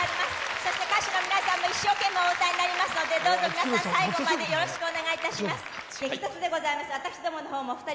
そして歌手の皆さんも一生懸命お歌いになりますのでどうぞ皆さん、最後までよろしくお願いいたします。